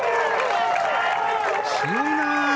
強いな。